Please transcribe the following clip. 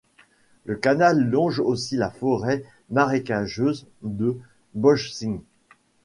Le canal longe aussi la forêt marécageuse de Bojčin.